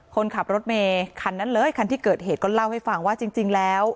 คนขับรถเมย์คันนั้นเลยคันที่เกิดเหตุก็เล่าให้ฟังว่าจริงแล้ว